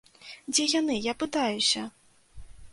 Дзе яны, я пытаюся!